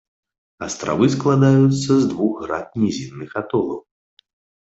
Астравы складаюцца з двух град нізінных атолаў.